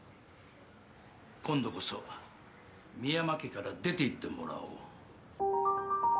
今度こそ深山家から出ていってもらおう。